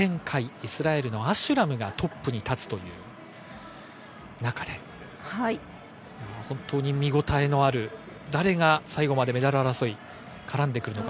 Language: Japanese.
イスラエルのアシュラムがトップに立つという中で、見応えのある、誰が最後までメダル争いに絡んでくるのか。